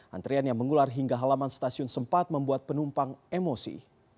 antrian yang mengular hingga halaman stasiun sempat membuat penumpang emosi